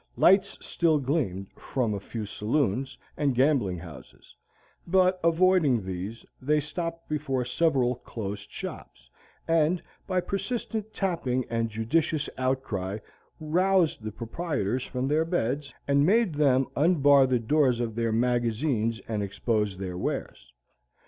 Lights still gleamed from a few saloons and gambling houses; but, avoiding these, they stopped before several closed shops, and by persistent tapping and judicious outcry roused the proprietors from their beds, and made them unbar the doors of their magazines and expose their wares.